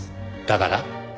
だから？